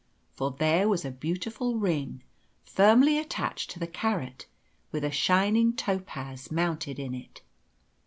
For there was a beautiful ring firmly attached to the carrot, with a shining topaz mounted in it.